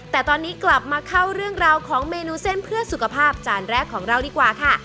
แต่ตอนนี้กลับมาเข้าเรื่องราวของเมนูเส้นเพื่อสุขภาพจานแรกของเราดีกว่าค่ะ